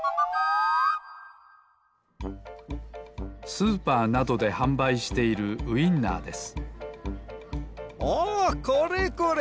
スーパーなどではんばいしているウインナーですおおこれこれ！